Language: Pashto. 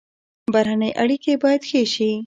بهرنۍ اړیکې باید ښې شي